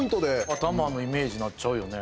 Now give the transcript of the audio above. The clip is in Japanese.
頭のイメージになっちゃうよね。